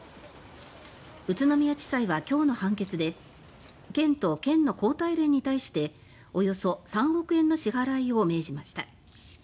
宇都宮地裁は今日の判決で県と県の高体連に対しておよそ３億円支払いを命じました。